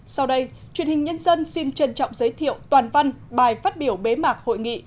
sau đây truyền hình nhân dân xin trân trọng giới thiệu toàn văn bài phát biểu bế mạc hội nghị